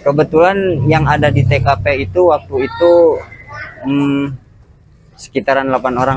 kebetulan yang ada di tkp itu waktu itu sekitaran delapan orang